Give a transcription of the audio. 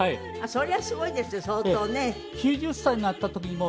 そりゃすごいです相当ね。